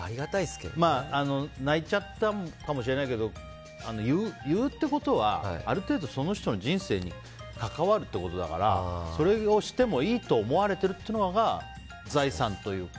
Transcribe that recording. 泣いちゃったかもしれないけど言うってことはある程度その人の人生に関わるっていうことだからそれをしてもいいと思われてるっていうのが財産というか。